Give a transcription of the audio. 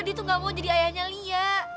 dia tuh gak mau jadi ayahnya liat